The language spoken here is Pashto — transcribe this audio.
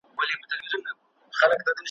د تیارې له تور ګرېوانه سپین سهار ته غزل لیکم ,